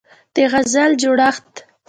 د غزل جوړښت